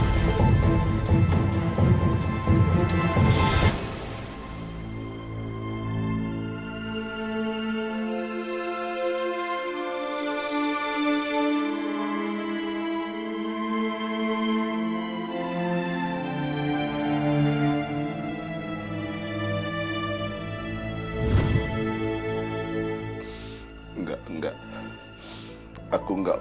jadi wajum nggak enak nih